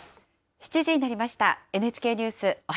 ７時になりました。